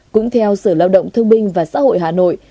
cũng theo sở lao động thương binh và xã hội hà nội